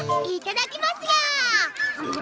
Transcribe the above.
いただきますニャ！